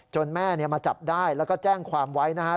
แม่มาจับได้แล้วก็แจ้งความไว้นะครับ